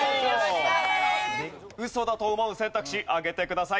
ウソだと思う選択肢上げてください。